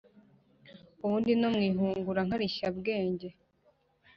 ubundi no mu ihugura nkalishyabwenge.